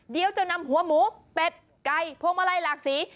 เดี๋ยวจะนำหัวหมูเป็ดไก่พวงมาลัยหลากสี